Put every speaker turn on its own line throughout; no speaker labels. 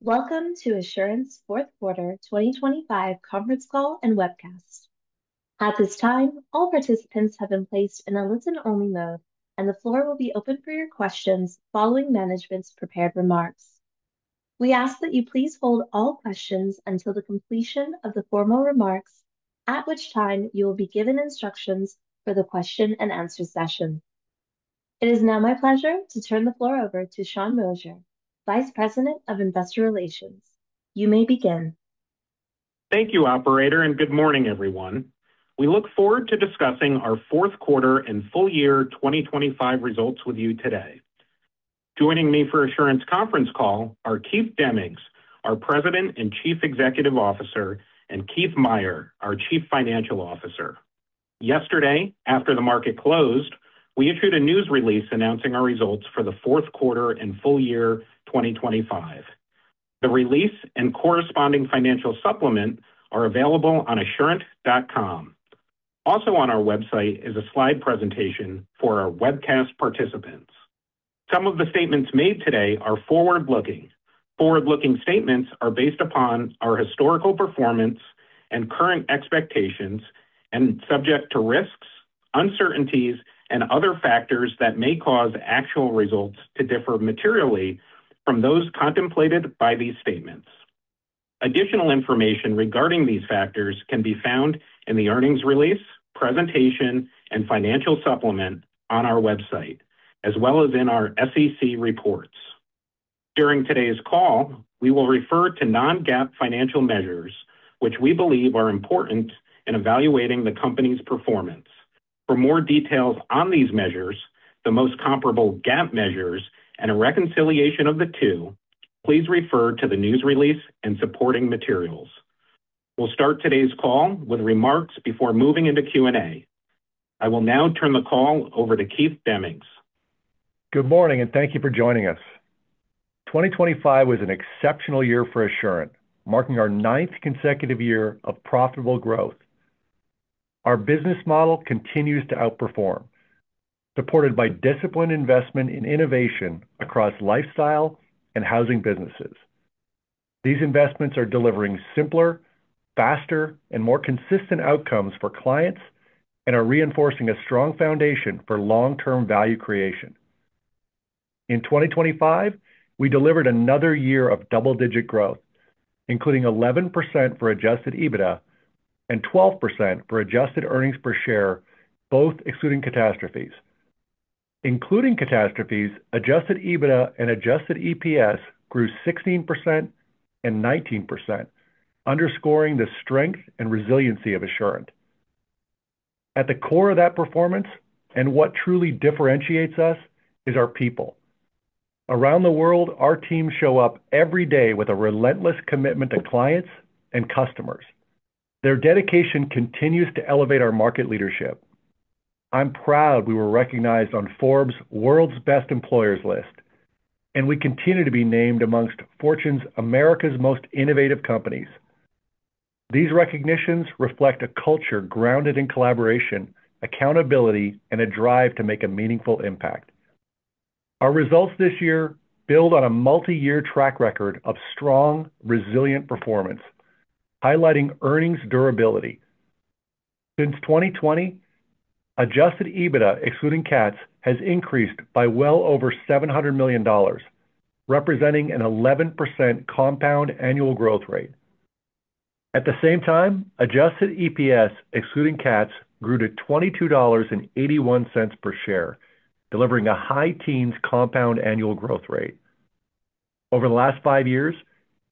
Welcome to Assurant Fourth Quarter 2025 conference call and webcast. At this time, all participants have been placed in a listen-only mode, and the floor will be open for your questions following management's prepared remarks. We ask that you please hold all questions until the completion of the formal remarks, at which time you will be given instructions for the question-and-answer session. It is now my pleasure to turn the floor over to Sean Moshier, Vice President of Investor Relations. You may begin.
Thank you, Operator, and good morning, everyone. We look forward to discussing our fourth quarter and full year 2025 results with you today. Joining me for Assurant conference call are Keith Demmings, our President and Chief Executive Officer, and Keith Meier, our Chief Financial Officer. Yesterday, after the market closed, we issued a news release announcing our results for the fourth quarter and full year 2025. The release and corresponding financial supplement are available on assurant.com. Also on our website is a slide presentation for our webcast participants. Some of the statements made today are forward-looking. Forward-looking statements are based upon our historical performance and current expectations, and subject to risks, uncertainties, and other factors that may cause actual results to differ materially from those contemplated by these statements. Additional information regarding these factors can be found in the earnings release, presentation, and financial supplement on our website, as well as in our SEC reports. During today's call, we will refer to non-GAAP financial measures, which we believe are important in evaluating the company's performance. For more details on these measures, the most comparable GAAP measures, and a reconciliation of the two, please refer to the news release and supporting materials. We'll start today's call with remarks before moving into Q&A. I will now turn the call over to Keith Demmings.
Good morning and thank you for joining us. 2025 was an exceptional year for Assurant, marking our ninth consecutive year of profitable growth. Our business model continues to outperform, supported by disciplined investment in innovation across lifestyle and housing businesses. These investments are delivering simpler, faster, and more consistent outcomes for clients and are reinforcing a strong foundation for long-term value creation. In 2025, we delivered another year of double-digit growth, including 11% for adjusted EBITDA and 12% for adjusted earnings per share, both excluding catastrophes. Including catastrophes, adjusted EBITDA and adjusted EPS grew 16% and 19%, underscoring the strength and resiliency of Assurant. At the core of that performance and what truly differentiates us is our people. Around the world, our teams show up every day with a relentless commitment to clients and customers. Their dedication continues to elevate our market leadership. I'm proud we were recognized on Forbes' World's Best Employers list, and we continue to be named amongst Fortune's America's Most Innovative Companies. These recognitions reflect a culture grounded in collaboration, accountability, and a drive to make a meaningful impact. Our results this year build on a multi-year track record of strong, resilient performance, highlighting earnings durability. Since 2020, Adjusted EBITDA, excluding CATs, has increased by well over $700 million, representing an 11% compound annual growth rate. At the same time, Adjusted EPS, excluding CATs, grew to $22.81 per share, delivering high teens compound annual growth rate. Over the last five years,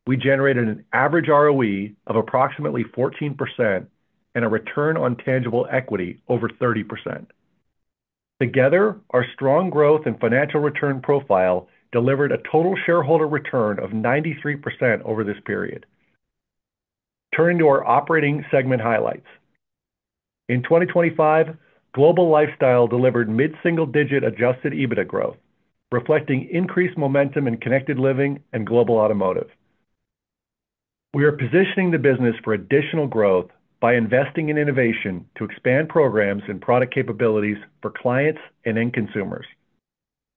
we generated an average ROE of approximately 14% and a return on tangible equity over 30%. Together, our strong growth and financial return profile delivered a total shareholder return of 93% over this period. Turning to our operating segment highlights. In 2025, Global Lifestyle delivered mid-single-digit Adjusted EBITDA growth, reflecting increased momentum in Connected Living and Global Automotive. We are positioning the business for additional growth by investing in innovation to expand programs and product capabilities for clients and end consumers.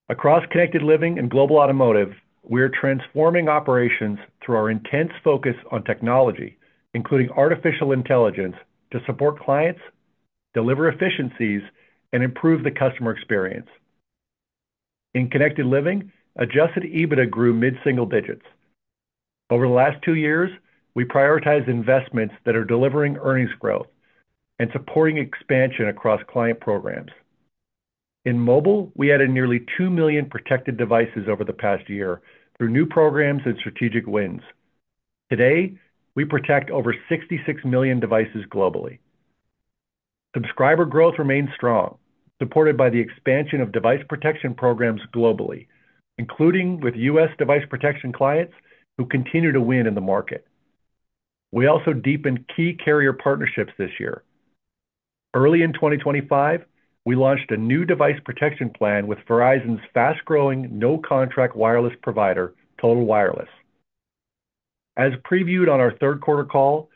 Across Connected Living and Global Automotive, we are transforming operations through our intense focus on technology, including artificial intelligence, to support clients, deliver efficiencies, and improve the customer experience. In Connected Living, Adjusted EBITDA grew mid-single digits. Over the last two years, we prioritize investments that are delivering earnings growth and supporting expansion across client programs. In mobile, we added nearly 2 million protected devices over the past year through new programs and strategic wins. Today, we protect over 66 million devices globally. Subscriber growth remains strong, supported by the expansion of device protection programs globally, including with U.S. device protection clients who continue to win in the market. We also deepened key carrier partnerships this year. Early in 2025, we launched a new device protection plan with Verizon's fast-growing no-contract wireless provider, Total Wireless. As previewed on our third quarter call,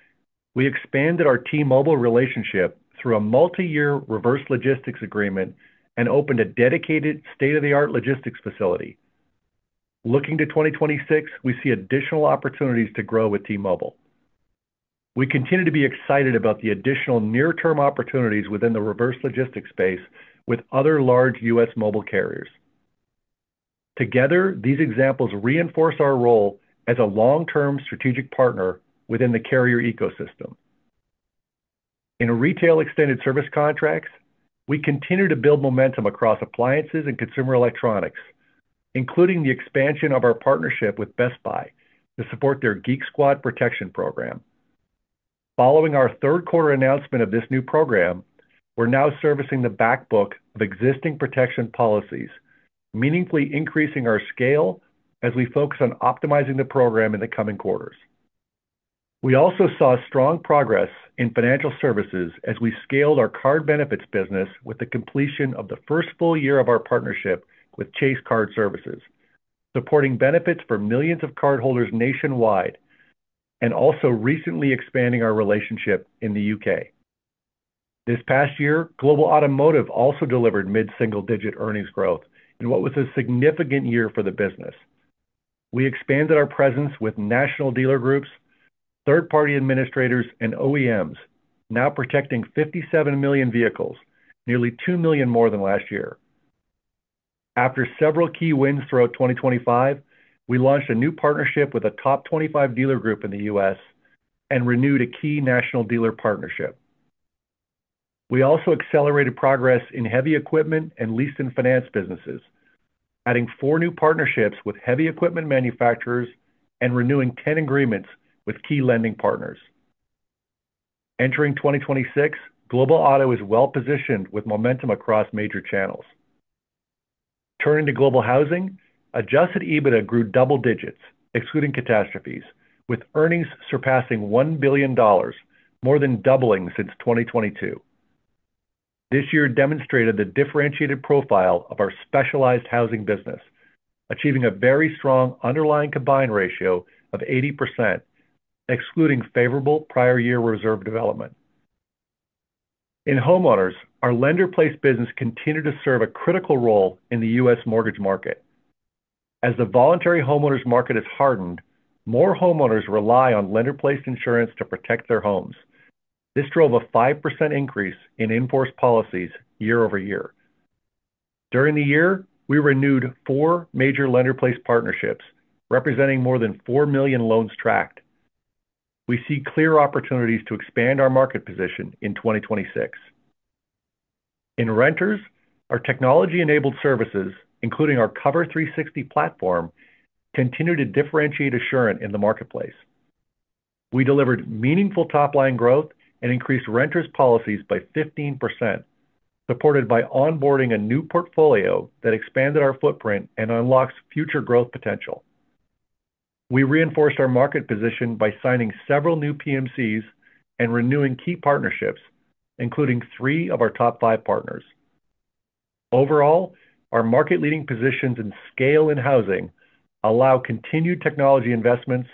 we expanded our T-Mobile relationship through a multi-year reverse logistics agreement and opened a dedicated state-of-the-art logistics facility. Looking to 2026, we see additional opportunities to grow with T-Mobile. We continue to be excited about the additional near-term opportunities within the reverse logistics space with other large U.S. mobile carriers. Together, these examples reinforce our role as a long-term strategic partner within the carrier ecosystem. In retail extended service contracts, we continue to build momentum across appliances and consumer electronics, including the expansion of our partnership with Best Buy to support their Geek Squad Protection program. Following our third quarter announcement of this new program, we're now servicing the back book of existing protection policies, meaningfully increasing our scale as we focus on optimizing the program in the coming quarters. We also saw strong progress in financial services as we scaled our card benefits business with the completion of the first full year of our partnership with Chase Card Services, supporting benefits for millions of cardholders nationwide and also recently expanding our relationship in the U.K. This past year, Global Automotive also delivered mid-single-digit earnings growth in what was a significant year for the business. We expanded our presence with national dealer groups, third-party administrators, and OEMs, now protecting 57 million vehicles, nearly 2 million more than last year. After several key wins throughout 2025, we launched a new partnership with a top 25 dealer group in the U.S. and renewed a key national dealer partnership. We also accelerated progress in heavy equipment and leasing finance businesses, adding four new partnerships with heavy equipment manufacturers and renewing 10 agreements with key lending partners. Entering 2026, Global Auto is well-positioned with momentum across major channels. Turning to Global Housing, Adjusted EBITDA grew double digits, excluding catastrophes, with earnings surpassing $1 billion, more than doubling since 2022. This year demonstrated the differentiated profile of our specialized housing business, achieving a very strong underlying combined ratio of 80%, excluding favorable prior-year reserve development. In homeowners, our lender-placed business continued to serve a critical role in the U.S. mortgage market. As the voluntary homeowner's market has hardened, more homeowners rely on lender-placed insurance to protect their homes. This drove a 5% increase in enforced policies year-over-year. During the year, we renewed four major lender-placed partnerships, representing more than 4 million loans tracked. We see clear opportunities to expand our market position in 2026. In renters, our technology-enabled services, including our Cover360 platform, continue to differentiate Assurant in the marketplace. We delivered meaningful top-line growth and increased renters' policies by 15%, supported by onboarding a new portfolio that expanded our footprint and unlocked future growth potential. We reinforced our market position by signing several new PMCs and renewing key partnerships, including three of our top five partners. Overall, our market-leading positions in scale in housing allow continued technology investments,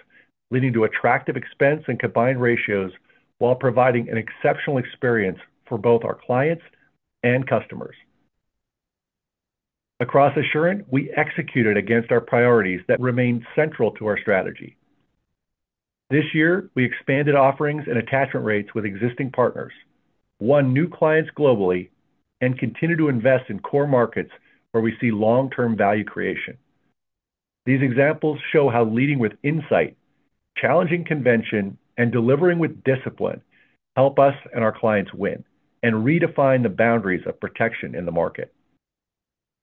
leading to attractive expense and combined ratios while providing an exceptional experience for both our clients and customers. Across Assurant, we executed against our priorities that remain central to our strategy. This year, we expanded offerings and attachment rates with existing partners, won new clients globally, and continue to invest in core markets where we see long-term value creation. These examples show how leading with insight, challenging convention, and delivering with discipline help us and our clients win and redefine the boundaries of protection in the market.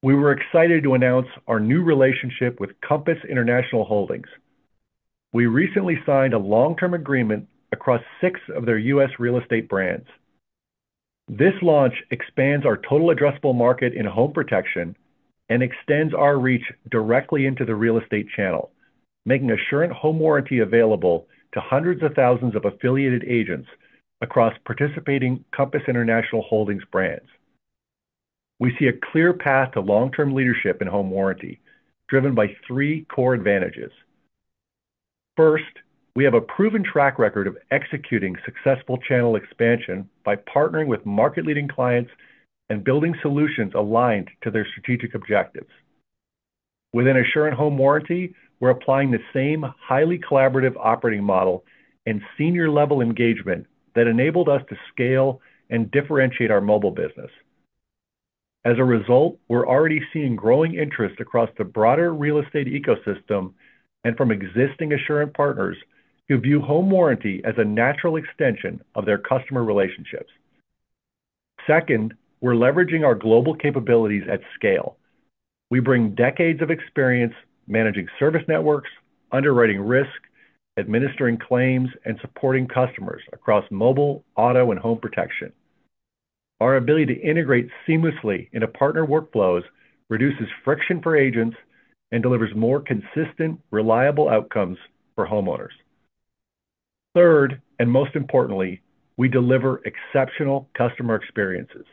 We were excited to announce our new relationship with Compass International Holdings. We recently signed a long-term agreement across six of their U.S. real estate brands. This launch expands our total addressable market in home protection and extends our reach directly into the real estate channel, making Assurant Home Warranty available to hundreds of thousands of affiliated agents across participating Compass International Holdings brands. We see a clear path to long-term leadership in home warranty, driven by three core advantages. First, we have a proven track record of executing successful channel expansion by partnering with market-leading clients and building solutions aligned to their strategic objectives. Within Assurant Home Warranty, we're applying the same highly collaborative operating model and senior-level engagement that enabled us to scale and differentiate our mobile business. As a result, we're already seeing growing interest across the broader real estate ecosystem and from existing Assurant partners who view Home Warranty as a natural extension of their customer relationships. Second, we're leveraging our global capabilities at scale. We bring decades of experience managing service networks, underwriting risk, administering claims, and supporting customers across mobile, auto, and home protection. Our ability to integrate seamlessly into partner workflows reduces friction for agents and delivers more consistent, reliable outcomes for homeowners. Third, and most importantly, we deliver exceptional customer experiences.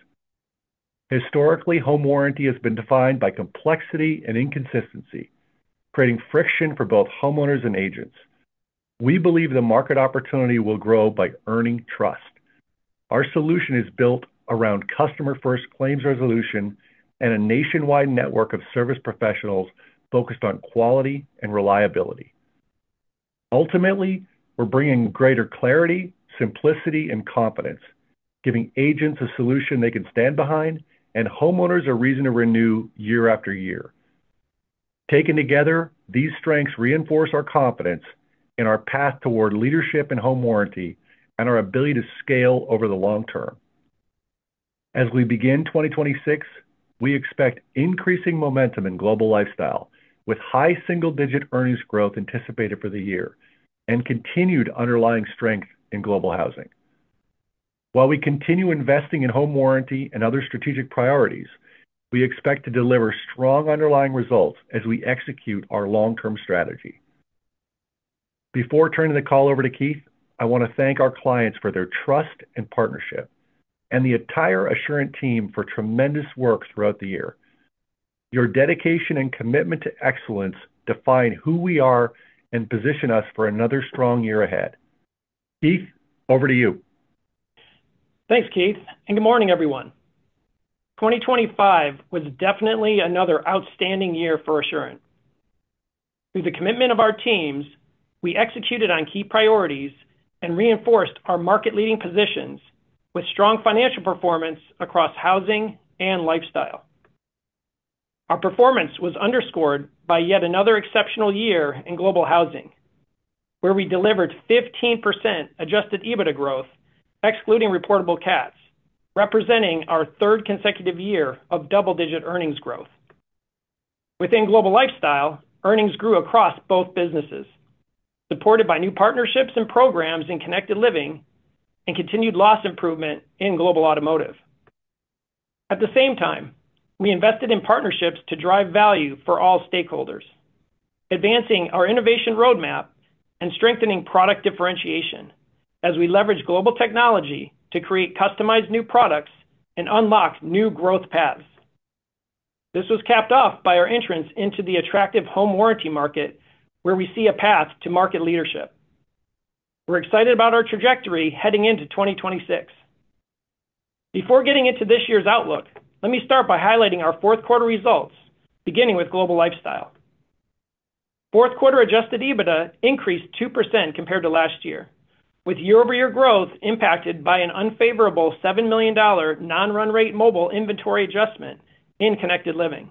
Historically, Home Warranty has been defined by complexity and inconsistency, creating friction for both homeowners and agents. We believe the market opportunity will grow by earning trust. Our solution is built around customer-first claims resolution and a nationwide network of service professionals focused on quality and reliability. Ultimately, we're bringing greater clarity, simplicity, and confidence, giving agents a solution they can stand behind, and homeowners a reason to renew year after year. Taken together, these strengths reinforce our confidence in our path toward leadership in home warranty and our ability to scale over the long term. As we begin 2026, we expect increasing momentum in Global Lifestyle with high single-digit earnings growth anticipated for the year and continued underlying strength in Global Housing. While we continue investing in home warranty and other strategic priorities, we expect to deliver strong underlying results as we execute our long-term strategy. Before turning the call over to Keith, I want to thank our clients for their trust and partnership and the entire Assurant team for tremendous work throughout the year. Your dedication and commitment to excellence define who we are and position us for another strong year ahead. Keith, over to you.
Thanks, Keith, and good morning, everyone. 2025 was definitely another outstanding year for Assurant. Through the commitment of our teams, we executed on key priorities and reinforced our market-leading positions with strong financial performance across Housing and Lifestyle. Our performance was underscored by yet another exceptional year in Global Housing, where we delivered 15% adjusted EBITDA growth, excluding reportable CATs, representing our third consecutive year of double-digit earnings growth. Within Global Lifestyle, earnings grew across both businesses, supported by new partnerships and programs in Connected Living and continued loss improvement in Global Automotive. At the same time, we invested in partnerships to drive value for all stakeholders, advancing our innovation roadmap and strengthening product differentiation as we leverage global technology to create customized new products and unlock new growth paths. This was capped off by our entrance into the attractive home warranty market, where we see a path to market leadership. We're excited about our trajectory heading into 2026. Before getting into this year's outlook, let me start by highlighting our fourth quarter results, beginning with Global Lifestyle. Fourth quarter Adjusted EBITDA increased 2% compared to last year, with year-over-year growth impacted by an unfavorable $7 million non-run-rate mobile inventory adjustment in Connected Living.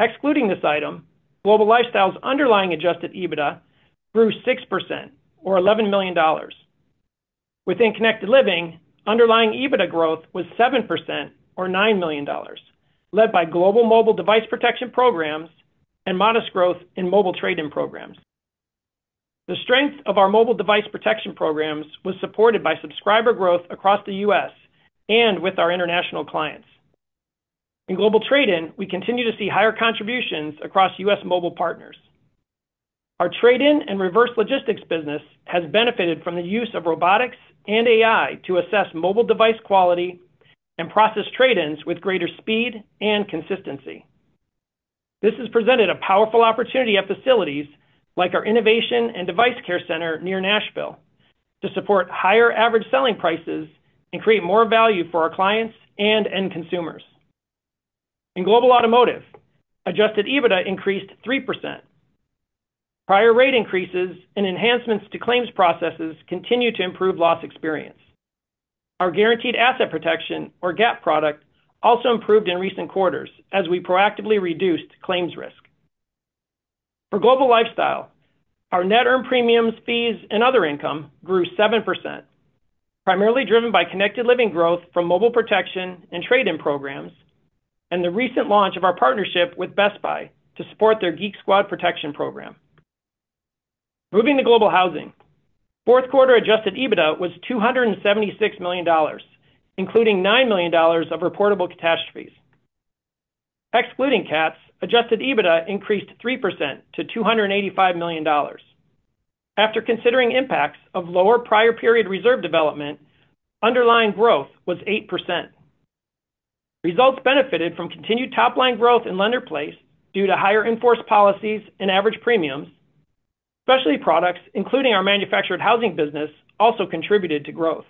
Excluding this item, Global Lifestyle's underlying Adjusted EBITDA grew 6%, or $11 million. Within Connected Living, underlying EBITDA growth was 7%, or $9 million, led by global mobile device protection programs and modest growth in mobile trade-in programs. The strength of our mobile device protection programs was supported by subscriber growth across the U.S. and with our international clients. In global trade-in, we continue to see higher contributions across U.S. mobile partners. Our trade-in and reverse logistics business has benefited from the use of robotics and AI to assess mobile device quality and process trade-ins with greater speed and consistency. This has presented a powerful opportunity at facilities like our innovation and device care center near Nashville to support higher average selling prices and create more value for our clients and end consumers. In Global Automotive, Adjusted EBITDA increased 3%. Prior rate increases and enhancements to claims processes continue to improve loss experience. Our guaranteed asset protection, or GAP, product also improved in recent quarters as we proactively reduced claims risk. For Global Lifestyle, our net earned premiums, fees, and other income grew 7%, primarily driven by Connected Living growth from mobile protection and trade-in programs and the recent launch of our partnership with Best Buy to support their Geek Squad Protection program. Moving to Global Housing, fourth quarter adjusted EBITDA was $276 million, including $9 million of reportable catastrophes. Excluding CATs, adjusted EBITDA increased 3% to $285 million. After considering impacts of lower prior-period reserve development, underlying growth was 8%. Results benefited from continued top-line growth in lender-placed due to higher enforced policies and average premiums. Specialty products, including our manufactured housing business, also contributed to growth.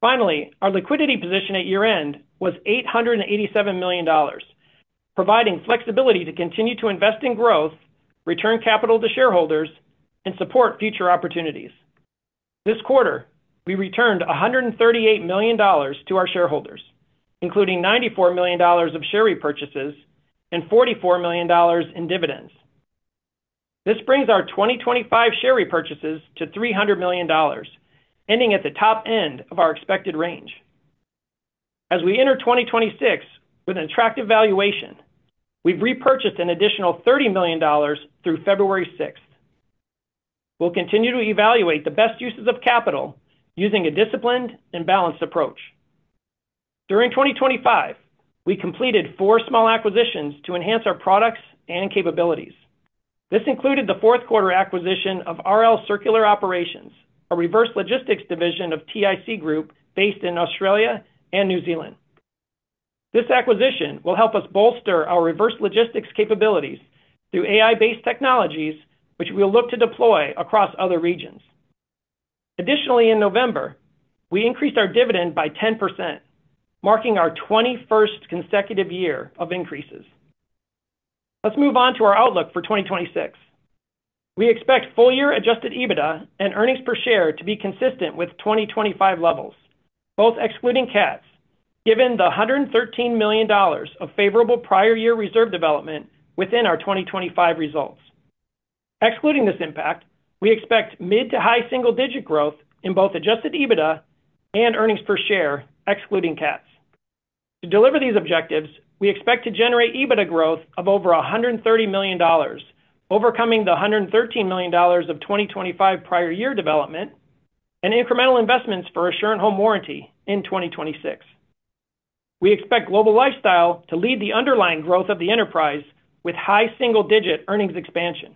Finally, our liquidity position at year-end was $887 million, providing flexibility to continue to invest in growth, return capital to shareholders, and support future opportunities. This quarter, we returned $138 million to our shareholders, including $94 million of share repurchases and $44 million in dividends. This brings our 2025 share repurchases to $300 million, ending at the top end of our expected range. As we enter 2026 with an attractive valuation, we've repurchased an additional $30 million through February 6th. We'll continue to evaluate the best uses of capital using a disciplined and balanced approach. During 2025, we completed four small acquisitions to enhance our products and capabilities. This included the fourth quarter acquisition of RL Circular Operations, a reverse logistics division of TIC Group based in Australia and New Zealand. This acquisition will help us bolster our reverse logistics capabilities through AI-based technologies, which we'll look to deploy across other regions. Additionally, in November, we increased our dividend by 10%, marking our 21st consecutive year of increases. Let's move on to our outlook for 2026. We expect full-year Adjusted EBITDA and earnings per share to be consistent with 2025 levels, both excluding CATs, given the $113 million of favorable prior-year reserve development within our 2025 results. Excluding this impact, we expect mid to high single-digit growth in both Adjusted EBITDA and earnings per share, excluding CATs. To deliver these objectives, we expect to generate EBITDA growth of over $130 million, overcoming the $113 million of 2025 prior-year development and incremental investments for Assurant Home Warranty in 2026. We expect Global Lifestyle to lead the underlying growth of the enterprise with high single-digit earnings expansion.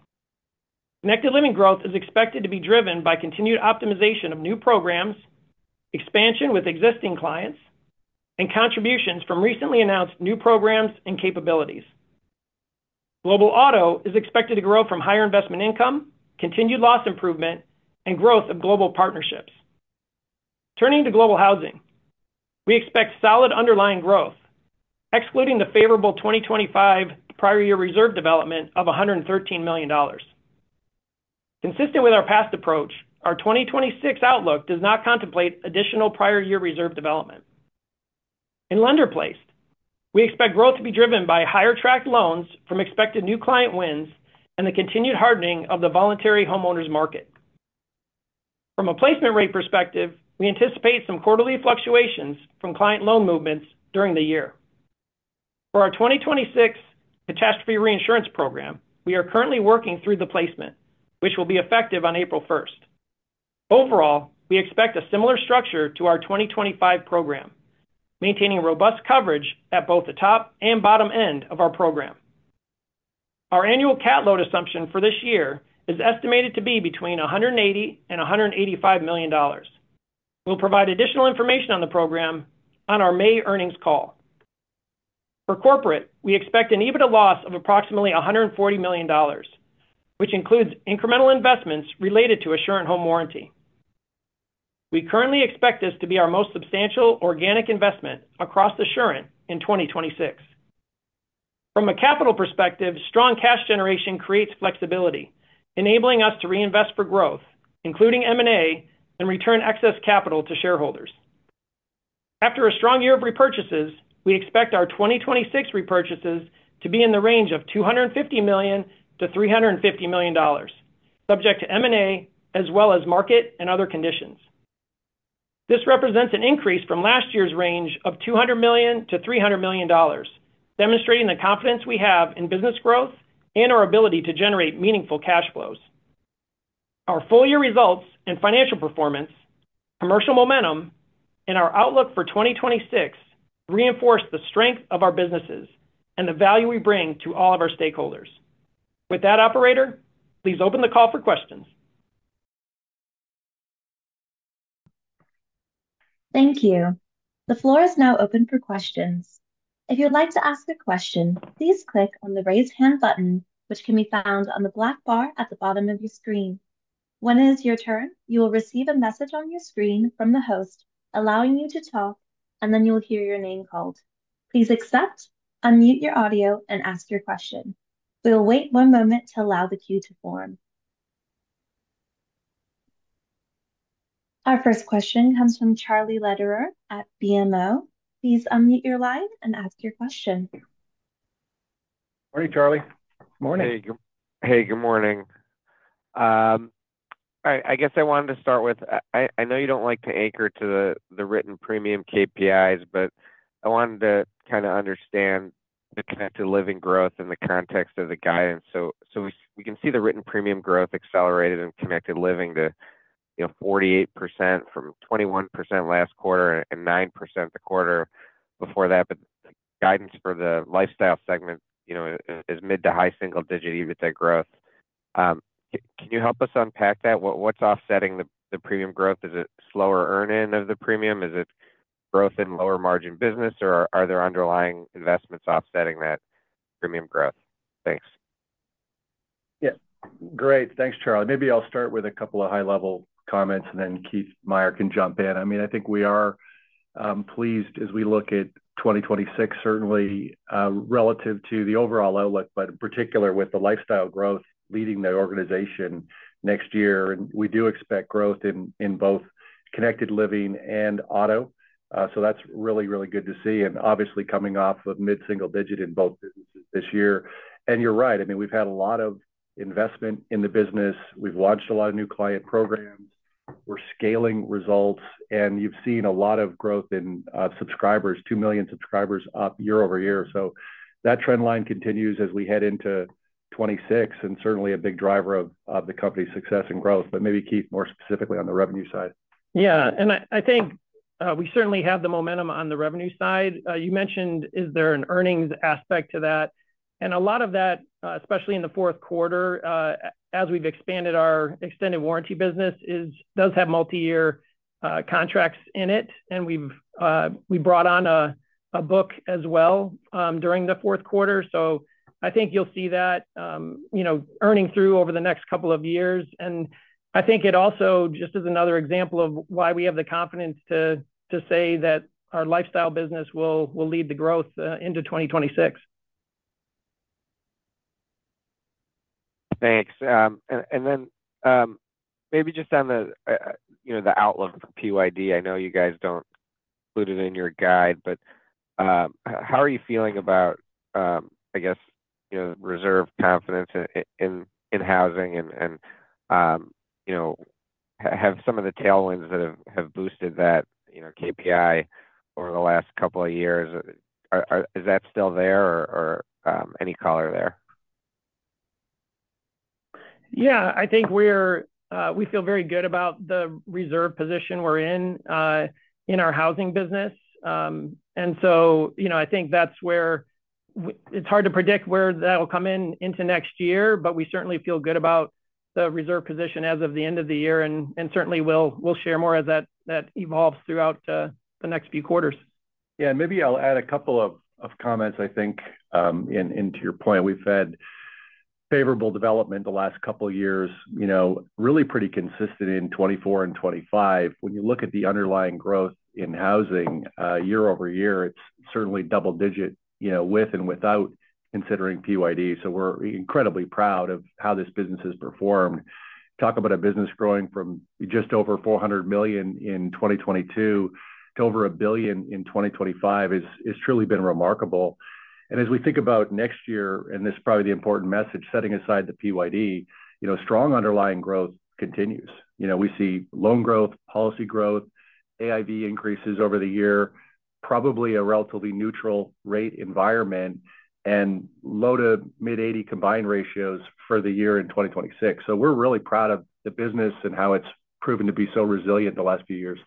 Connected Living growth is expected to be driven by continued optimization of new programs, expansion with existing clients, and contributions from recently announced new programs and capabilities. Global Automotive is expected to grow from higher investment income, continued loss improvement, and growth of global partnerships. Turning to Global Housing, we expect solid underlying growth, excluding the favorable 2025 prior-year reserve development of $113 million. Consistent with our past approach, our 2026 outlook does not contemplate additional prior-year reserve development. In Lender-Placed, we expect growth to be driven by higher tracked loans from expected new client wins and the continued hardening of the voluntary homeowners market. From a placement rate perspective, we anticipate some quarterly fluctuations from client loan movements during the year. For our 2026 catastrophe reinsurance program, we are currently working through the placement, which will be effective on April 1st. Overall, we expect a similar structure to our 2025 program, maintaining robust coverage at both the top and bottom end of our program. Our annual CAT load assumption for this year is estimated to be between $180-$185 million. We'll provide additional information on the program on our May earnings call. For corporate, we expect an EBITDA loss of approximately $140 million, which includes incremental investments related to Assurant Home Warranty. We currently expect this to be our most substantial organic investment across Assurant in 2026. From a capital perspective, strong cash generation creates flexibility, enabling us to reinvest for growth, including M&A, and return excess capital to shareholders. After a strong year of repurchases, we expect our 2026 repurchases to be in the range of $250 million-$350 million, subject to M&A as well as market and other conditions. This represents an increase from last year's range of $200 million-$300 million, demonstrating the confidence we have in business growth and our ability to generate meaningful cash flows. Our full-year results and financial performance, commercial momentum, and our outlook for 2026 reinforce the strength of our businesses and the value we bring to all of our stakeholders. With that, operator, please open the call for questions.
Thank you. The floor is now open for questions. If you'd like to ask a question, please click on the raise hand button, which can be found on the black bar at the bottom of your screen. When it is your turn, you will receive a message on your screen from the host allowing you to talk, and then you'll hear your name called. Please accept, unmute your audio, and ask your question. We'll wait one moment to allow the queue to form. Our first question comes from Charlie Lederer at BMO. Please unmute your line and ask your question.
Morning, Charlie. Good morning.
Hey, good morning. I guess I wanted to start with, I know you don't like to anchor to the written premium KPIs, but I wanted to kind of understand the Connected Living growth in the context of the guidance. So, we can see the written premium growth accelerated in Connected Living to 48% from 21% last quarter and 9% the quarter before that. But guidance for the Lifestyle segment is mid- to high-single-digit EBITDA growth. Can you help us unpack that? What's offsetting the premium growth? Is it slower earn-in of the premium? Is it growth in lower margin business, or are there underlying investments offsetting that premium growth? Thanks.
Yeah. Great. Thanks, Charlie. Maybe I'll start with a couple of high-level comments, and then Keith Meier can jump in. I mean, I think we are pleased as we look at 2026, certainly relative to the overall outlook, but in particular with the lifestyle growth leading the organization next year. We do expect growth in both connected living and auto. So that's really, really good to see. Obviously, coming off of mid-single digit in both businesses this year. You're right. I mean, we've had a lot of investment in the business. We've launched a lot of new client programs. We're scaling results, and you've seen a lot of growth in subscribers, 2 million subscribers up year-over-year. So, that trend line continues as we head into 2026 and certainly a big driver of the company's success and growth. But maybe, Keith, more specifically on the revenue side.
Yeah. And I think we certainly have the momentum on the revenue side. You mentioned, is there an earnings aspect to that? And a lot of that, especially in the fourth quarter, as we've expanded our extended warranty business, does have multi-year contracts in it. And we brought on a book as well during the fourth quarter. So, I think you'll see that earning through over the next couple of years. And I think it also just is another example of why we have the confidence to say that our lifestyle business will lead the growth into 2026.
Thanks. And then maybe just on the outlook for PYD, I know you guys don't include it in your guide, but how are you feeling about, I guess, reserve confidence in housing? And have some of the tailwinds that have boosted that KPI over the last couple of years, is that still there, or any color there?
Yeah. I think we feel very good about the reserve position we're in in our housing business. And so I think that's where it's hard to predict where that will come in into next year, but we certainly feel good about the reserve position as of the end of the year. And certainly, we'll share more as that evolves throughout the next few quarters.
Yeah. And maybe I'll add a couple of comments, I think, into your point. We've had favorable development the last couple of years, really pretty consistent in 2024 and 2025. When you look at the underlying growth in housing year over year, it's certainly double-digit with and without considering PYD. So, we're incredibly proud of how this business has performed. Talk about a business growing from just over $400 million in 2022 to over $1 billion in 2025 has truly been remarkable. And as we think about next year, and this is probably the important message, setting aside the PYD, strong underlying growth continues. We see loan growth, policy growth, AIV increases over the year, probably a relatively neutral rate environment, and low- to mid-80 combined ratios for the year in 2026. We're really proud of the business and how it's proven to be so resilient the last few years.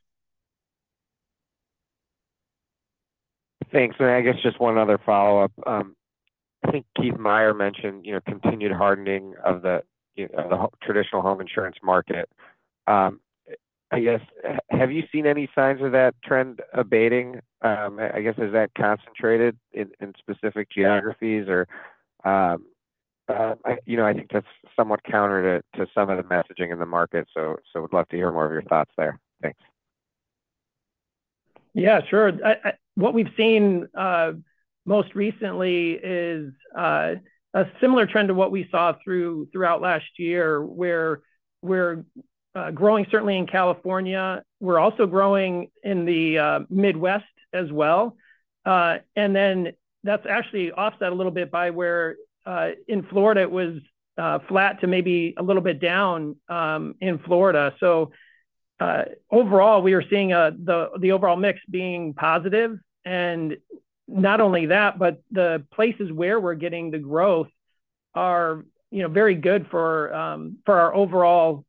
Thanks. And I guess just one other follow-up. I think Keith Meier mentioned continued hardening of the traditional home insurance market. I guess, have you seen any signs of that trend abating? I guess, is that concentrated in specific geographies, or? I think that's somewhat counter to some of the messaging in the market. So would love to hear more of your thoughts there. Thanks.
Yeah, sure. What we've seen most recently is a similar trend to what we saw throughout last year, where we're growing, certainly in California. We're also growing in the Midwest as well. And then that's actually offset a little bit by where in Florida, it was flat to maybe a little bit down in Florida. So overall, we are seeing the overall mix being positive. And not only that, but the places where we're getting the growth are very good for our overall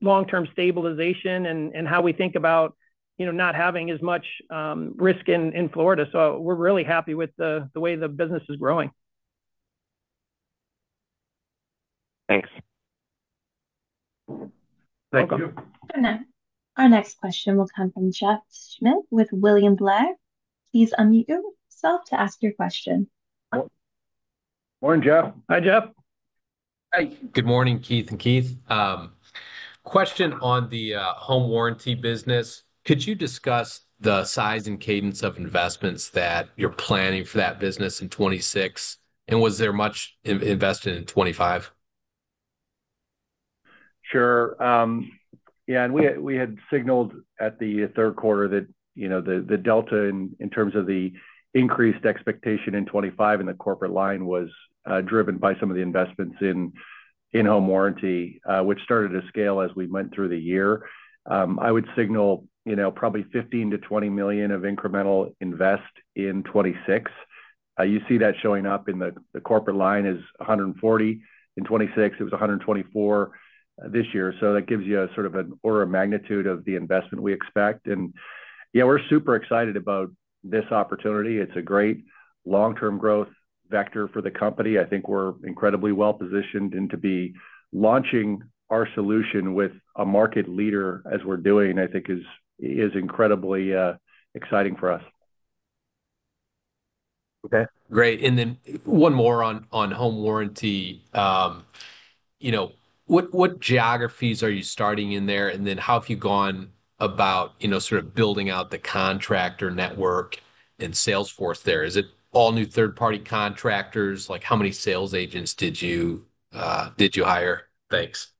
long-term stabilization and how we think about not having as much risk in Florida. So we're really happy with the way the business is growing.
Thanks.
Thank you.
Our next question will come from Jeff Schmitt with William Blair. Please unmute yourself to ask your question.
Morning, Jeff.
Hi, Jeff.
Hey. Good morning, Keith and Keith. Question on the home warranty business. Could you discuss the size and cadence of investments that you're planning for that business in 2026, and was there much invested in 2025?
Sure. Yeah. And we had signaled at the third quarter that the delta, in terms of the increased expectation in 2025 in the corporate line, was driven by some of the investments in home warranty, which started to scale as we went through the year. I would signal probably $15 million-$20 million of incremental investment in 2026. You see that showing up in the corporate line as $140 million. In 2026, it was $124 million this year. So that gives you sort of an order of magnitude of the investment we expect. And yeah, we're super excited about this opportunity. It's a great long-term growth vector for the company. I think we're incredibly well-positioned to be launching our solution with a market leader as we're doing, I think, is incredibly exciting for us.
Okay. Great. And then one more on home warranty. What geographies are you starting in there, and then how have you gone about sort of building out the contractor network and Salesforce there? Is it all new third-party contractors? How many sales agents did you hire? Thanks.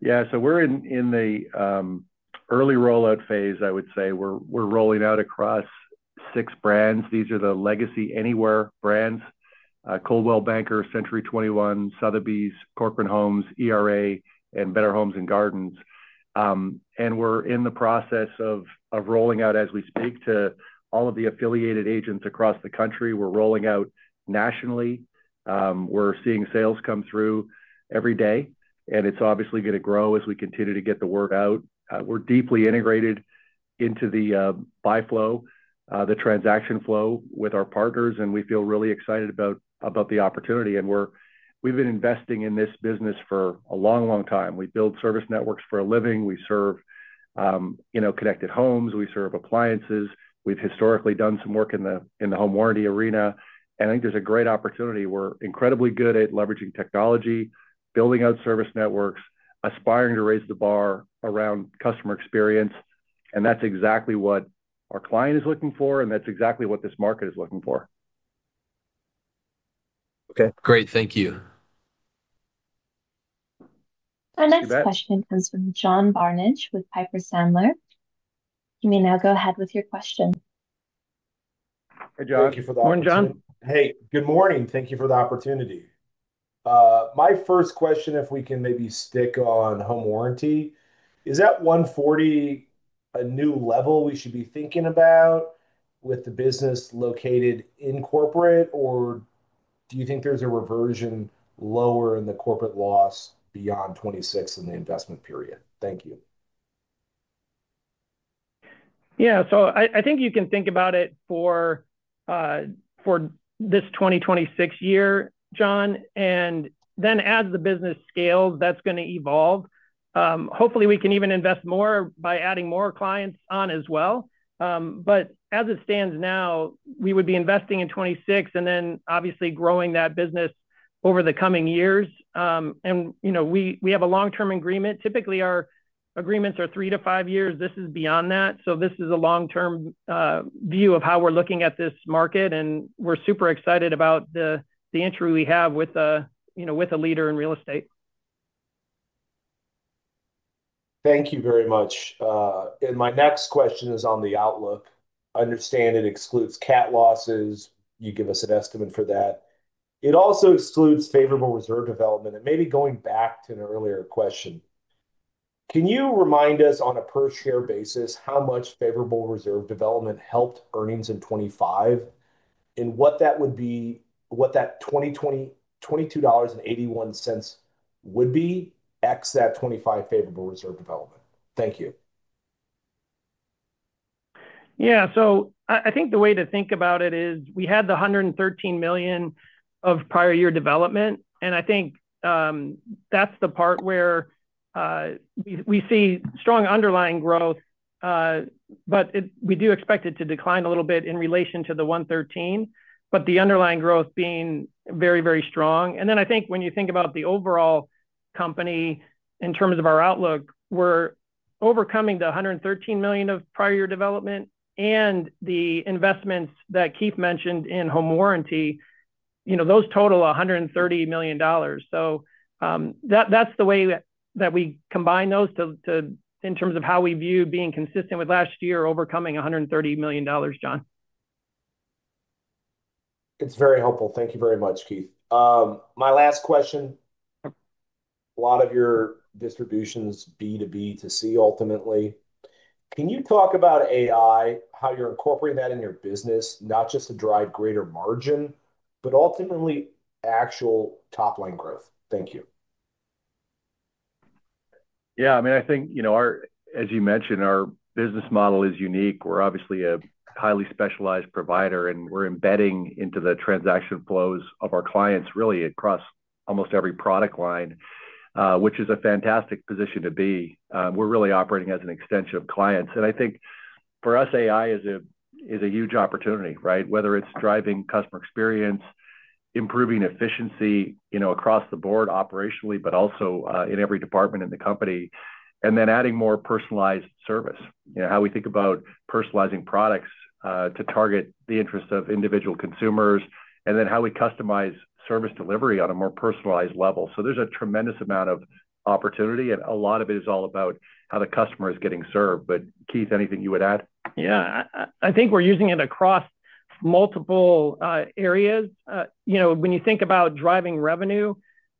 Yeah. So, we're in the early rollout phase, I would say. We're rolling out across six brands. These are the legacy Anywhere brands: Coldwell Banker, Century 21, Sotheby's, Corcoran Group, ERA, and Better Homes and Gardens. And we're in the process of rolling out as we speak to all of the affiliated agents across the country. We're rolling out nationally. We're seeing sales come through every day. And it's obviously going to grow as we continue to get the word out. We're deeply integrated into the buy flow, the transaction flow with our partners, and we feel really excited about the opportunity. And we've been investing in this business for a long, long time. We build service networks for a living. We serve connected homes. We serve appliances. We've historically done some work in the home warranty arena. And I think there's a great opportunity. We're incredibly good at leveraging technology, building out service networks, aspiring to raise the bar around customer experience. And that's exactly what our client is looking for, and that's exactly what this market is looking for.
Okay. Great. Thank you.
Our next question comes from John Barnidge with Piper Sandler. You may now go ahead with your question.
Hey, John.
Thank you for the opportunity.
Morning, John.
Hey, good morning. Thank you for the opportunity. My first question, if we can maybe stick on home warranty, is that 140 a new level we should be thinking about for the business' combined ratio, or do you think there's a reversion lower in the combined loss beyond 2026 in the investment period? Thank you.
Yeah. So, I think you can think about it for this 2026-year, John. And then as the business scales, that's going to evolve. Hopefully, we can even invest more by adding more clients on as well. But as it stands now, we would be investing in 2026 and then obviously growing that business over the coming years. And we have a long-term agreement. Typically, our agreements are three to five years. This is beyond that. So, this is a long-term view of how we're looking at this market. And we're super excited about the entry we have with a leader in real estate.
Thank you very much. My next question is on the outlook. Understand it excludes CAT losses. You give us an estimate for that. It also excludes favorable reserve development. Maybe going back to an earlier question, can you remind us on a per-share basis how much favorable reserve development helped earnings in 2025 and what that would be what that $22.81 would be ex that 2025 favorable reserve development? Thank you.
Yeah. So, I think the way to think about it is we had the $113 million of prior year development. I think that's the part where we see strong underlying growth, but we do expect it to decline a little bit in relation to the 113, but the underlying growth being very, very strong. Then I think when you think about the overall company in terms of our outlook, we're overcoming the $113 million of prior year development and the investments that Keith mentioned in home warranty. Those total $130 million. So, that's the way that we combine those in terms of how we view being consistent with last year, overcoming $130 million, John.
It's very helpful. Thank you very much, Keith. My last question, a lot of your distributions B2B to B2C ultimately. Can you talk about AI, how you're incorporating that in your business, not just to drive greater margin, but ultimately actual top-line growth? Thank you.
Yeah. I mean, I think, as you mentioned, our business model is unique. We're obviously a highly specialized provider, and we're embedding into the transaction flows of our clients, really, across almost every product line, which is a fantastic position to be. We're really operating as an extension of clients. And I think for us, AI is a huge opportunity, right, whether it's driving customer experience, improving efficiency across the board operationally, but also in every department in the company, and then adding more personalized service, how we think about personalizing products to target the interests of individual consumers, and then how we customize service delivery on a more personalized level. So, there's a tremendous amount of opportunity, and a lot of it is all about how the customer is getting served. But Keith, anything you would add?
Yeah. I think we're using it across multiple areas. When you think about driving revenue,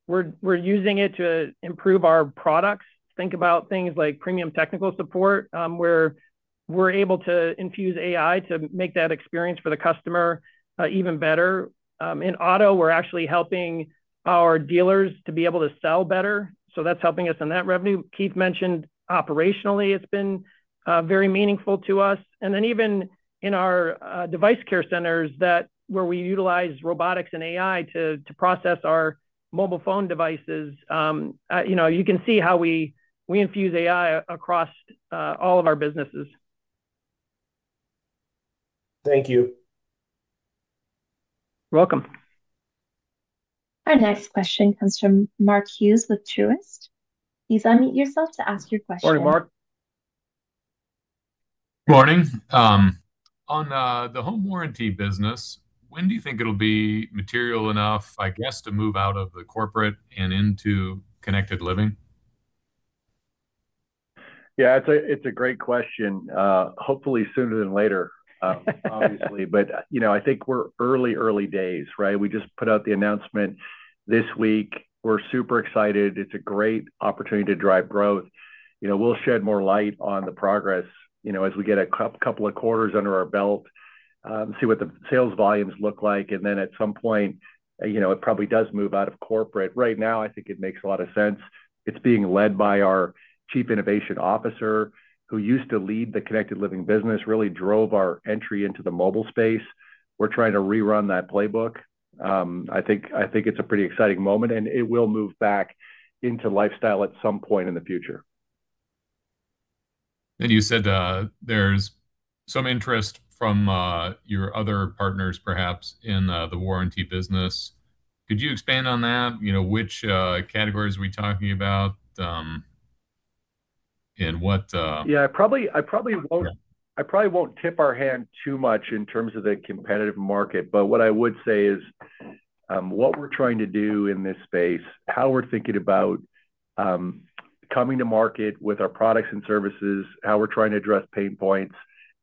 we're using it to improve our products. Think about things like premium technical support, where we're able to infuse AI to make that experience for the customer even better. In auto, we're actually helping our dealers to be able to sell better. So, that's helping us in that revenue. Keith mentioned operationally, it's been very meaningful to us. And then even in our device care centers where we utilize robotics and AI to process our mobile phone devices, you can see how we infuse AI across all of our businesses.
Thank you.
Welcome.
Our next question comes from Mark Hughes with Truist. Please unmute yourself to ask your question.
Morning, Mark.
Good morning. On the home warranty business, when do you think it'll be material enough, I guess, to move out of the corporate and into Connected Living?
Yeah. It's a great question. Hopefully, sooner than later, obviously. But I think we're early, early days, right? We just put out the announcement this week. We're super excited. It's a great opportunity to drive growth. We'll shed more light on the progress as we get a couple of quarters under our belt, see what the sales volumes look like. And then at some point, it probably does move out of corporate. Right now, I think it makes a lot of sense. It's being led by our Chief Innovation Officer who used to lead the Connected Living business, really drove our entry into the mobile space. We're trying to rerun that playbook. I think it's a pretty exciting moment, and it will move back into Lifestyle at some point in the future.
And you said there's some interest from your other partners, perhaps, in the warranty business. Could you expand on that? Which categories are we talking about and what?
Yeah. I probably won't tip our hand too much in terms of the competitive market. But what I would say is what we're trying to do in this space, how we're thinking about coming to market with our products and services, how we're trying to address pain points,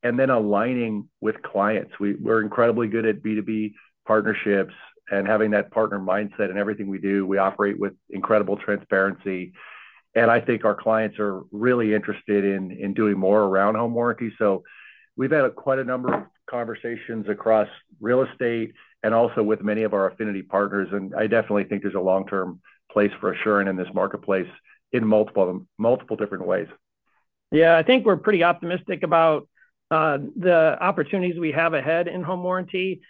and then aligning with clients. We're incredibly good at B2B partnerships and having that partner mindset in everything we do. We operate with incredible transparency. And I think our clients are really interested in doing more around home warranty. So, we've had quite a number of conversations across real estate and also with many of our affinity partners. And I definitely think there's a long-term place for Assurant in this marketplace in multiple different ways.
Yeah. I think we're pretty optimistic about the opportunities we have ahead in home warranty.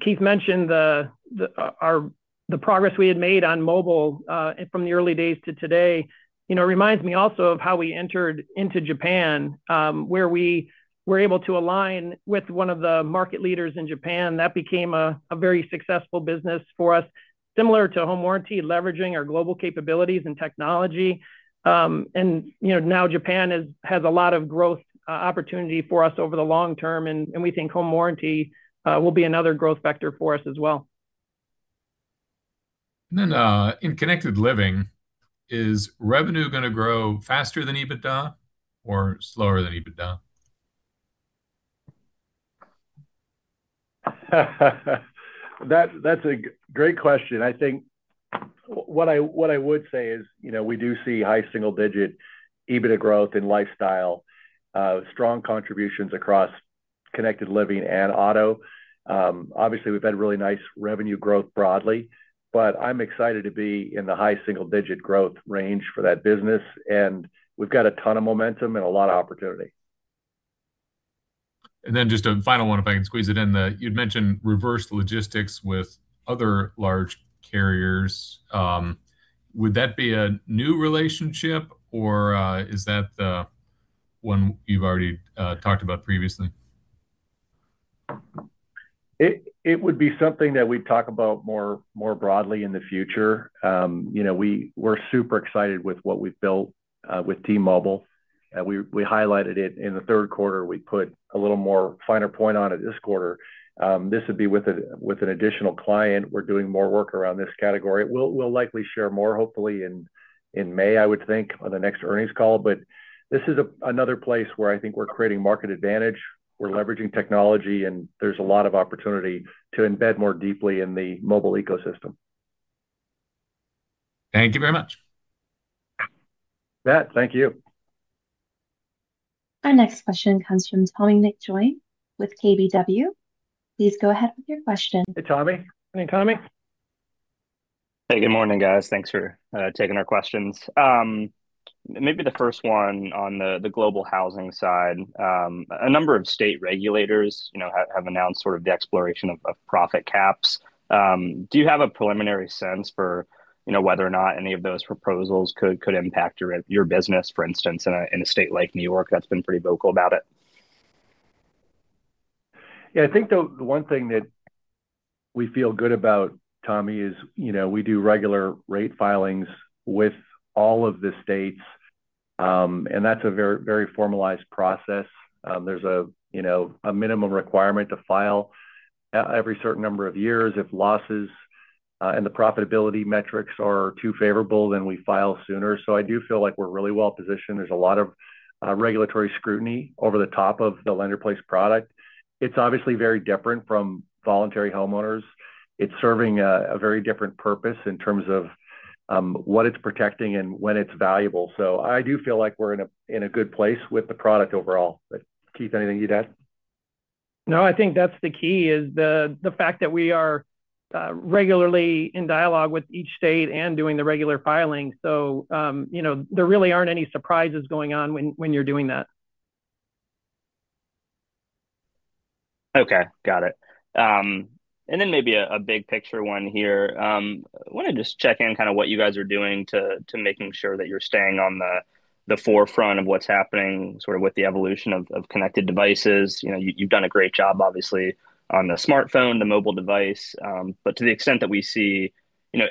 Keith mentioned the progress we had made on mobile from the early days to today. It reminds me also of how we entered into Japan, where we were able to align with one of the market leaders in Japan. That became a very successful business for us, similar to home warranty, leveraging our global capabilities and technology. And now Japan has a lot of growth opportunity for us over the long term, and we think home warranty will be another growth vector for us as well.
And then in Connected Living, is revenue going to grow faster than EBITDA or slower than EBITDA?
That's a great question. I think what I would say is we do see high single-digit EBITDA growth in lifestyle, strong contributions across connected living and auto. Obviously, we've had really nice revenue growth broadly, but I'm excited to be in the high single-digit growth range for that business. And we've got a ton of momentum and a lot of opportunity.
Then just a final one, if I can squeeze it in. You'd mentioned reverse logistics with other large carriers. Would that be a new relationship, or is that the one you've already talked about previously?
It would be something that we'd talk about more broadly in the future. We're super excited with what we've built with T-Mobile. We highlighted it in the third quarter. We put a little more finer point on it this quarter. This would be with an additional client. We're doing more work around this category. We'll likely share more, hopefully, in May, I would think, on the next earnings call. But this is another place where I think we're creating market advantage. We're leveraging technology, and there's a lot of opportunity to embed more deeply in the mobile ecosystem.
Thank you very much.
That. Thank you.
Our next question comes from Tommy McJoynt with KBW. Please go ahead with your question.
Hey, Tommy.
Morning, Tommy.
Hey. Good morning, guys. Thanks for taking our questions. Maybe the first one on the global housing side. A number of state regulators have announced sort of the exploration of profit caps. Do you have a preliminary sense for whether or not any of those proposals could impact your business, for instance, in a state like New York that's been pretty vocal about it?
Yeah. I think the one thing that we feel good about, Tommy, is we do regular rate filings with all of the states. That's a very formalized process. There's a minimum requirement to file every certain number of years. If losses and the profitability metrics are too favorable, then we file sooner. So I do feel like we're really well positioned. There's a lot of regulatory scrutiny over the top of the lender-placed product. It's obviously very different from voluntary homeowners. It's serving a very different purpose in terms of what it's protecting and when it's valuable. So, I do feel like we're in a good place with the product overall. But Keith, anything you'd add?
No. I think that's the key, is the fact that we are regularly in dialogue with each state and doing the regular filings. So, there really aren't any surprises going on when you're doing that.
Okay. Got it. And then maybe a big picture one here. I want to just check in kind of what you guys are doing to making sure that you're staying on the forefront of what's happening sort of with the evolution of connected devices. You've done a great job, obviously, on the smartphone, the mobile device. But to the extent that we see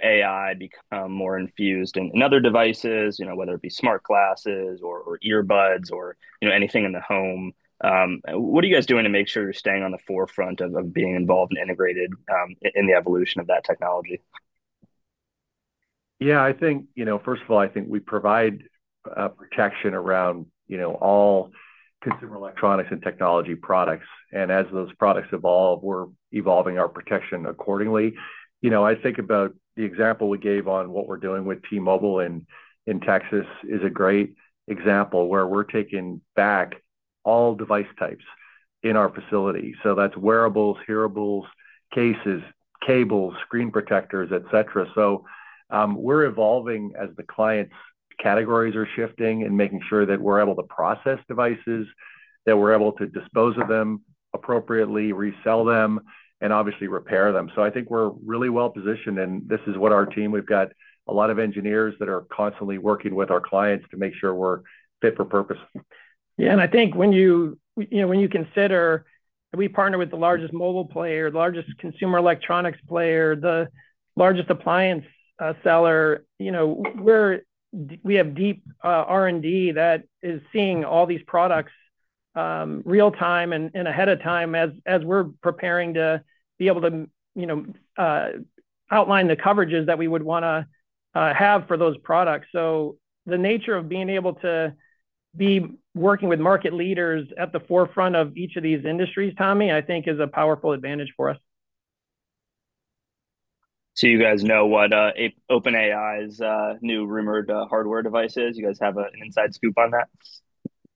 AI become more infused in other devices, whether it be smart glasses or earbuds or anything in the home, what are you guys doing to make sure you're staying on the forefront of being involved and integrated in the evolution of that technology?
Yeah. First of all, I think we provide protection around all consumer electronics and technology products. And as those products evolve, we're evolving our protection accordingly. I think about the example we gave on what we're doing with T-Mobile in Texas is a great example where we're taking back all device types in our facility. So that's wearables, hearables, cases, cables, screen protectors, etc. So, we're evolving as the clients' categories are shifting and making sure that we're able to process devices, that we're able to dispose of them appropriately, resell them, and obviously repair them. So, I think we're really well positioned, and this is what our team we've got a lot of engineers that are constantly working with our clients to make sure we're fit for purpose.
Yeah. I think when you consider we partner with the largest mobile player, the largest consumer electronics player, the largest appliance seller. We have deep R&D that is seeing all these products real-time and ahead of time as we're preparing to be able to outline the coverages that we would want to have for those products. The nature of being able to be working with market leaders at the forefront of each of these industries, Tommy, I think is a powerful advantage for us.
You guys know what OpenAI's new rumored hardware device is? You guys have an inside scoop on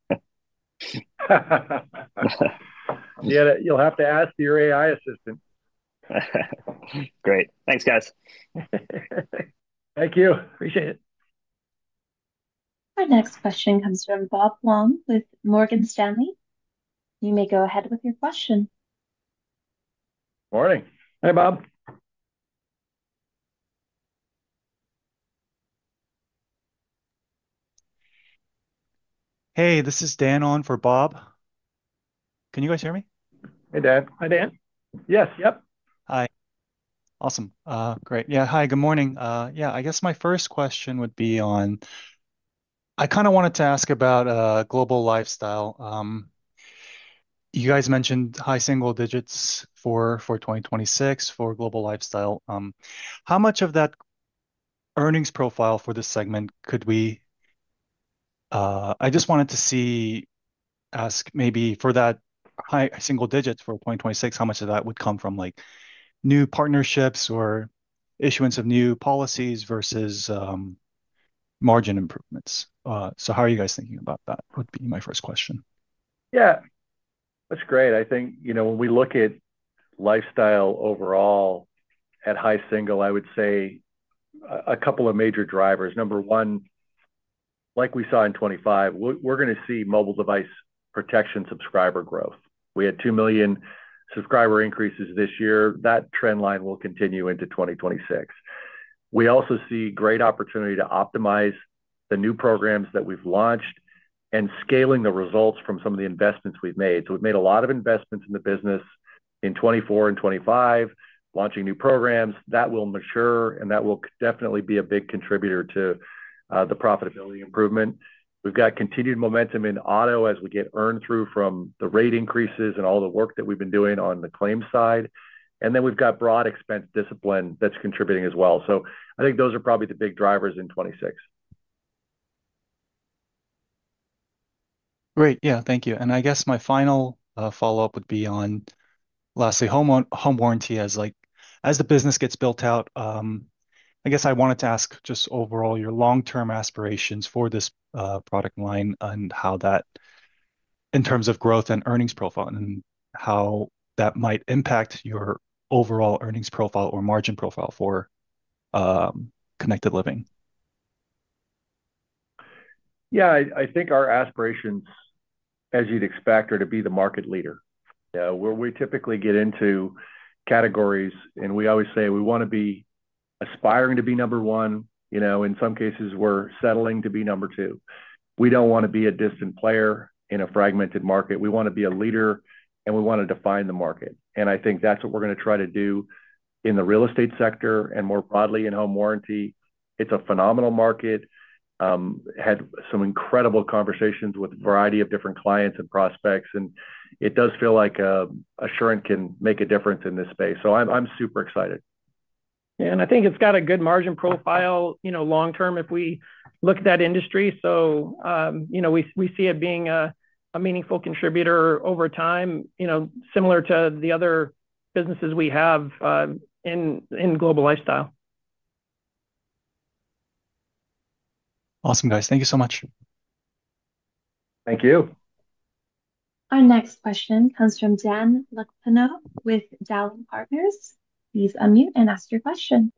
that?
Yeah. You'll have to ask your AI assistant.
Great. Thanks, guys.
Thank you. Appreciate it.
Our next question comes from Bob Huang with Morgan Stanley. You may go ahead with your question.
Morning.
Hey, Bob.
Hey. This is Dan on for Bob. Can you guys hear me?
Hey, Dan.
Hi, Dan. Yes. Yep.
Hi. Awesome. Great. Yeah. Hi. Good morning. Yeah. I guess my first question would be on. I kind of wanted to ask about Global Lifestyle. You guys mentioned high single digits for 2026 for Global Lifestyle. How much of that earnings profile for this segment? I just wanted to ask maybe for that high single digits for 2026, how much of that would come from new partnerships or issuance of new policies versus margin improvements? So, how are you guys thinking about that? That would be my first question.
Yeah. That's great. I think when we look at lifestyle overall at high single, I would say a couple of major drivers. Number one, like we saw in 2025, we're going to see mobile device protection subscriber growth. We had 2 million subscriber increases this year. That trend line will continue into 2026. We also see great opportunity to optimize the new programs that we've launched and scaling the results from some of the investments we've made. So, we've made a lot of investments in the business in 2024 and 2025, launching new programs. That will mature, and that will definitely be a big contributor to the profitability improvement. We've got continued momentum in auto as we get earned through from the rate increases and all the work that we've been doing on the claims side. And then we've got broad expense discipline that's contributing as well. I think those are probably the big drivers in 2026.
Great. Yeah. Thank you. I guess my final follow-up would be on, lastly, home warranty. As the business gets built out, I guess I wanted to ask just overall your long-term aspirations for this product line and how that in terms of growth and earnings profile and how that might impact your overall earnings profile or margin profile for Connected Living.
Yeah. I think our aspirations, as you'd expect, are to be the market leader. We typically get into categories, and we always say we want to be aspiring to be number one. In some cases, we're settling to be number two. We don't want to be a distant player in a fragmented market. We want to be a leader, and we want to define the market. And I think that's what we're going to try to do in the real estate sector and more broadly in home warranty. It's a phenomenal market. Had some incredible conversations with a variety of different clients and prospects. And it does feel like Assurant can make a difference in this space. So, I'm super excited.
Yeah. I think it's got a good margin profile long-term if we look at that industry. We see it being a meaningful contributor over time, similar to the other businesses we have in Global Lifestyle.
Awesome, guys. Thank you so much.
Thank you.
Our next question comes from Dan Lukepenot with Dowling & Partners. Please unmute and ask your question.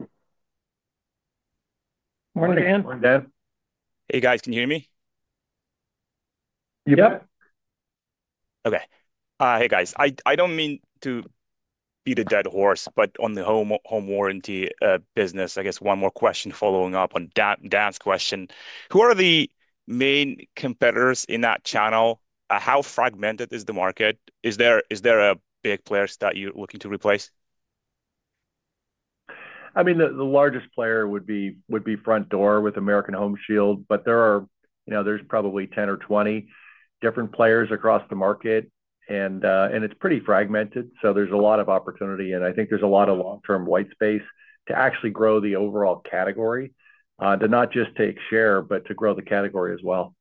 Morning, Dan.
Hey, guys. Can you hear me?
Yep.
Yep. Okay. Hey, guys. I don't mean to beat a dead horse, but on the home warranty business, I guess one more question following up on Dan's question. Who are the main competitors in that channel? How fragmented is the market? Is there a big player that you're looking to replace?
I mean, the largest player would be Frontdoor with American Home Shield. But there's probably 10 or 20 different players across the market, and it's pretty fragmented. So, there's a lot of opportunity. And I think there's a lot of long-term white space to actually grow the overall category, to not just take share, but to grow the category as well.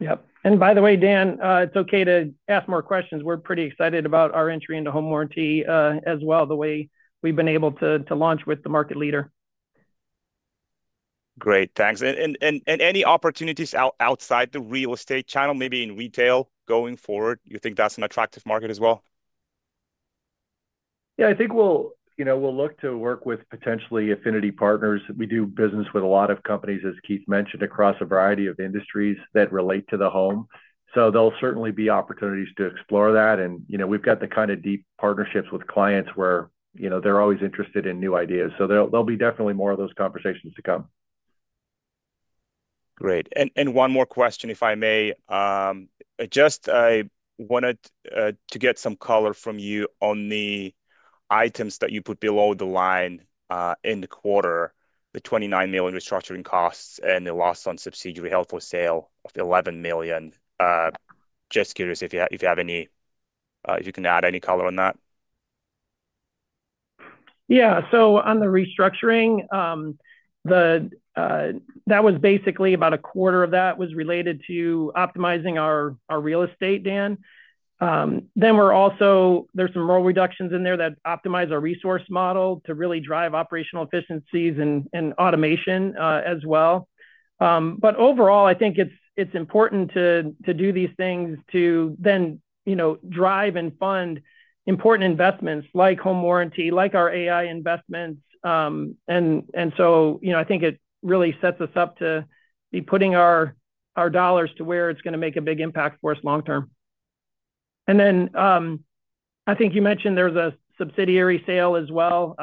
Yep. And by the way, Dan, it's okay to ask more questions. We're pretty excited about our entry into home warranty as well, the way we've been able to launch with the market leader.
Great. Thanks. Any opportunities outside the real estate channel, maybe in retail going forward? You think that's an attractive market as well?
Yeah. I think we'll look to work with potentially affinity partners. We do business with a lot of companies, as Keith mentioned, across a variety of industries that relate to the home. So, there'll certainly be opportunities to explore that. We've got the kind of deep partnerships with clients where they're always interested in new ideas. So, there'll be definitely more of those conversations to come.
Great. One more question, if I may. Just wanted to get some color from you on the items that you put below the line in the quarter, the $29 million restructuring costs and the loss on subsidiary held for sale of $11 million. Just curious if you can add any color on that.
Yeah. So, on the restructuring, that was basically about a quarter of that was related to optimizing our real estate, Dan. Then there's some role reductions in there that optimize our resource model to really drive operational efficiencies and automation as well. But overall, I think it's important to do these things to then drive and fund important investments like home warranty, like our AI investments. And so, I think it really sets us up to be putting our dollars to where it's going to make a big impact for us long-term. And then I think you mentioned there's a subsidiary sale as well.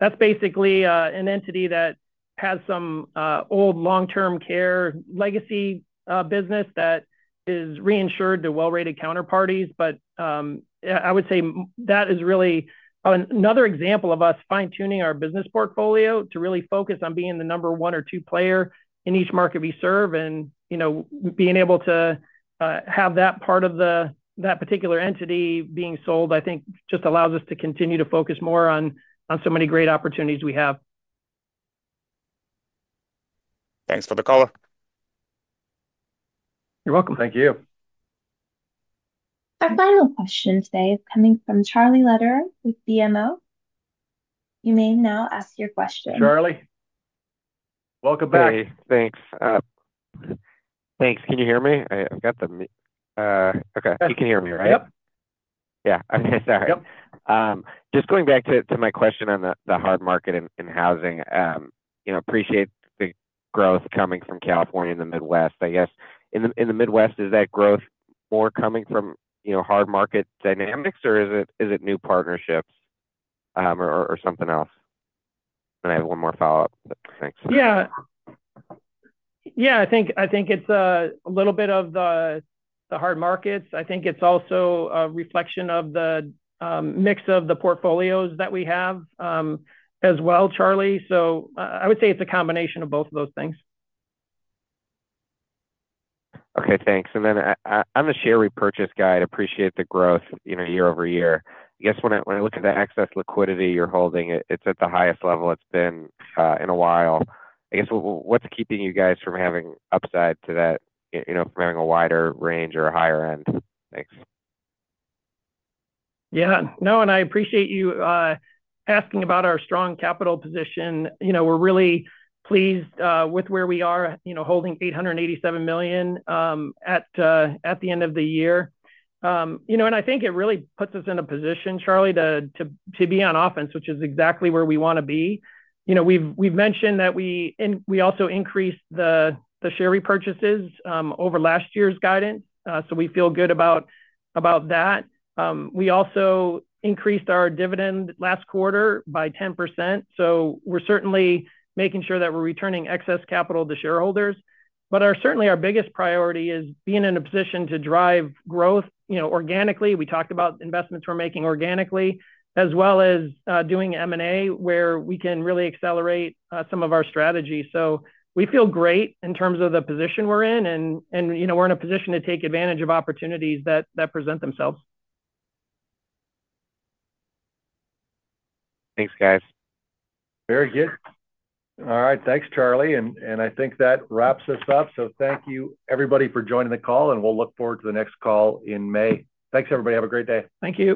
That's basically an entity that has some old long-term care legacy business that is reinsured to well-rated counterparties. I would say that is really another example of us fine-tuning our business portfolio to really focus on being the number one or two player in each market we serve. Being able to have that part of that particular entity being sold, I think, just allows us to continue to focus more on so many great opportunities we have.
Thanks for the color.
You're welcome.
Thank you.
Our final question today is coming from Charlie Lederer with BMO. You may now ask your question.
Charlie, welcome back.
Hey. Thanks. Thanks. Can you hear me? I've got the okay. You can hear me, right?
Yep.
Yeah. I mean, sorry. Just going back to my question on the hard market in housing, appreciate the growth coming from California and the Midwest. I guess in the Midwest, is that growth more coming from hard market dynamics, or is it new partnerships or something else? And I have one more follow-up, but thanks.
Yeah. Yeah. I think it's a little bit of the hard markets. I think it's also a reflection of the mix of the portfolios that we have as well, Charlie. So, I would say it's a combination of both of those things.
Okay. Thanks. And then on the share repurchase guide, appreciate the growth year-over-year. I guess when I look at the excess liquidity you're holding, it's at the highest level it's been in a while. I guess what's keeping you guys from having upside to that, from having a wider range or a higher end? Thanks.
Yeah. No. I appreciate you asking about our strong capital position. We're really pleased with where we are holding $887 million at the end of the year. I think it really puts us in a position, Charlie, to be on offense, which is exactly where we want to be. We've mentioned that we also increased the share repurchases over last year's guidance. We feel good about that. We also increased our dividend last quarter by 10%. We're certainly making sure that we're returning excess capital to shareholders. But certainly, our biggest priority is being in a position to drive growth organically. We talked about investments we're making organically, as well as doing M&A where we can really accelerate some of our strategy. We feel great in terms of the position we're in. We're in a position to take advantage of opportunities that present themselves.
Thanks, guys.
Very good. All right. Thanks, Charlie. I think that wraps us up. Thank you, everybody, for joining the call, and we'll look forward to the next call in May. Thanks, everybody. Have a great day.
Thank you.